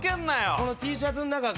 このＴシャツの中か？